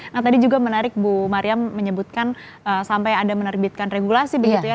nah tadi juga menarik bu mariam menyebutkan sampai ada menerbitkan regulasi begitu ya